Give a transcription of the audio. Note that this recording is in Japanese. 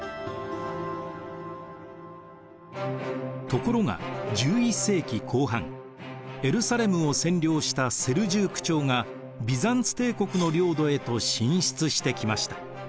ところが１１世紀後半エルサレムを占領したセルジューク朝がビザンツ帝国の領土へと進出してきました。